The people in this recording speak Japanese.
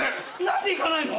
何でいかないの？